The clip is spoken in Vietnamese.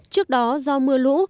trước đó do mưa lũ